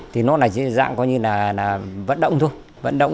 thì nó là dạng coi như là vận động thôi